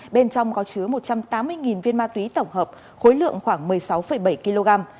bên trong có chứa một trăm tám mươi viên ma túy tổng hợp khối lượng khoảng một mươi sáu bảy kg